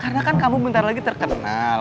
karena kan kamu bentar lagi terkenal